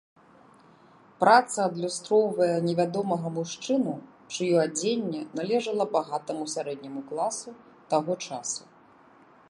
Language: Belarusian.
Праца адлюстроўвае невядомага мужчыну, чыё адзенне належала багатаму сярэдняму класу таго часу.